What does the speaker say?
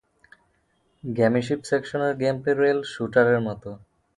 Gummy ship সেকশনের gameplay rail শ্যুটারের মতো।